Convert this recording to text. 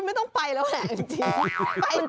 คุณไม่ต้องไปแล้วค่ะจริง